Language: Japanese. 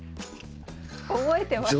覚えてますか？